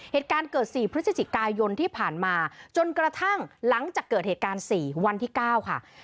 เหตุการณ์เกิด๔พฤศจิกายนที่ผ่านมาจนกระทั่งหลังจากเกิดเหตุการณ์๔วันที่๙ค่ะ